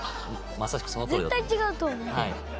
絶対違うと思う。